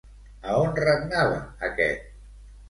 A on regnava aquest?